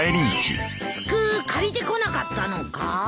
服借りてこなかったのか？